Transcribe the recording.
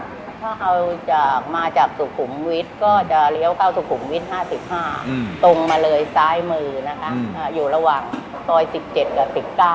ถ้าเอาจากมาจากสุขุมวิทย์ก็จะเลี้ยวเข้าสุขุมวิท๕๕ตรงมาเลยซ้ายมือนะคะอยู่ระหว่างซอย๑๗กับ๑๙